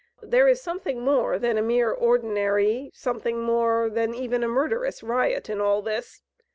There is something more than a mere ordinary, something more than even a murderous, riot in all this.